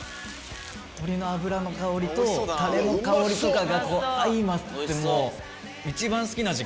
鶏の脂の香りとタレの香りとが相まって。